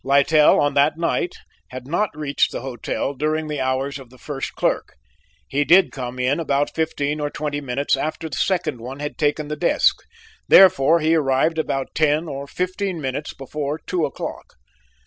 Littell, on that night, had not reached the hotel during the hours of the first clerk; he did come in about fifteen or twenty minutes after the second one had taken the desk; therefore he arrived about ten or fifteen minutes before two o'clock.